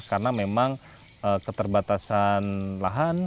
karena memang keterbatasan lahan